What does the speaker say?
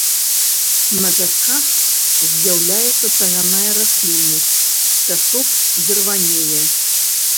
На пясках з'яўляецца травяная расліннасць, пясок дзірванее.